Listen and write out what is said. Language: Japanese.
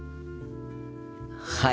はい。